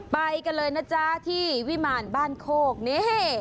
ไปกันเลยนะจ๊ะที่วิมารบ้านโคกนี่